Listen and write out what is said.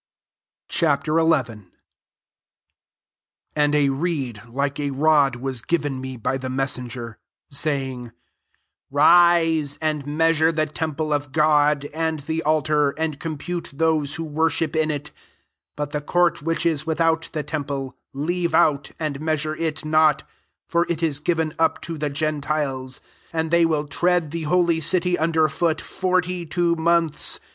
Ch. XL 1 And a reed like a rod was given me by themei' settgcTj saying, " Rise, and mea sure the temple of God, and the altar, and compute those who worship in it. 2 But tbe court which is without the tem ple leave out, and measure it not ; for it is given up to the gentiles: and they will tread the holy city under foot forty two months.